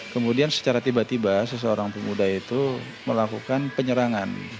kemudian secara tiba tiba seseorang pemuda itu melakukan penyerangan